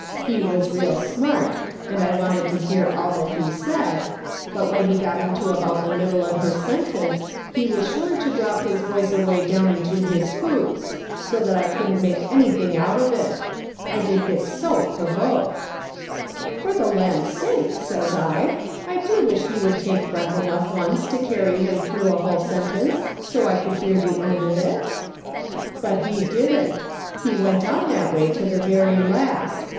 He was real smart, and I wanted to hear all he said, but when he got into about the middle of his sentence he was sure to drop his voice away down into his boots, so that I couldn't make anything out of it. I did get so pro voked !"' For the land's sake,' says T, ' I do wish he would SHE HAS TRIALS AND COMPENSA TIONS. 37 lake breath enougli once to carry liim tlirough a whole sentence so I could hear the end of it.' " But lie didn't, he went on that way to the very last.